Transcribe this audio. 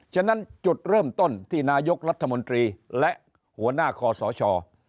ฉะนั้นจุดเริ่มต้นที่นายกรัฐมนตรีและหัวหน้าคอสช